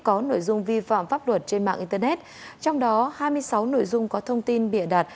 có nội dung vi phạm pháp luật trên mạng internet trong đó hai mươi sáu nội dung có thông tin bị ả đạt